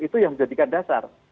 itu yang menjadikan dasar